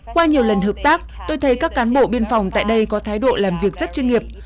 qua nhiều lần hợp tác tôi thấy các cán bộ biên phòng tại đây có thái độ làm việc rất chuyên nghiệp